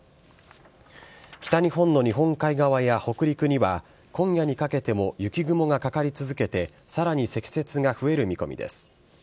北日本の日本海側や北陸には、今夜にかけても雪雲がかかり続けて、さらに積雪が増える見込みです。